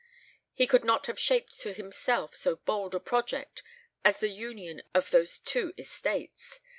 He could not have shaped to himself so bold a project as the union of those two estates.